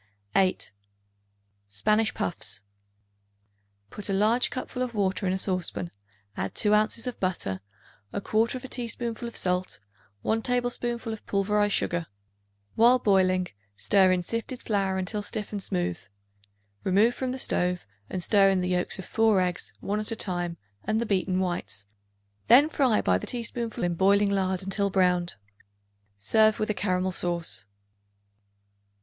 8. Spanish Puffs. Put a large cupful of water in a saucepan; add 2 ounces of butter, 1/4 teaspoonful of salt, 1 tablespoonful of pulverized sugar. While boiling, stir in sifted flour until stiff and smooth. Remove from the stove and stir in the yolks of 4 eggs, one at a time, and the beaten whites; then fry by the teaspoonful in boiling lard until browned. Serve with a caramel sauce.